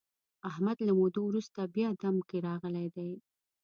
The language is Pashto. احمد له مودو ورسته بیا دم کې راغلی دی.